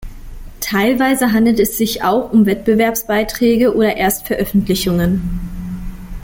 Teilweise handelt es sich auch um Wettbewerbsbeiträge oder Erstveröffentlichungen.